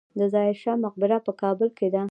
د ظاهر شاه مقبره په کابل کې ده